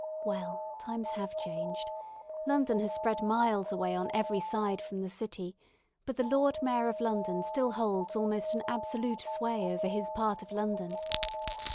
Well, times have changed! London has spread miles away on every side from the "City," but the Lord Mayor of London still holds almost an absolute sway over his part of London.